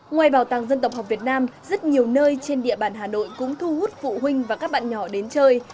ngoài bảo tàng dân tộc học việt nam rất nhiều nơi trên địa bàn hà nội cũng thu hút phụ huynh và các bạn nhỏ đến chơi